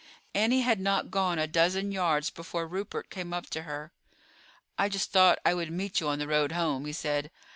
Annie had not gone a dozen yards before Rupert came up to her. "I just thought I would meet you on the road home," he said.